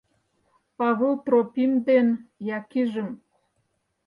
Павыл Тропим ден Якижым.